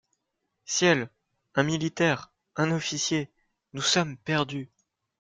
Ciel ! un militaire ! un officier ! nous sommes perdus !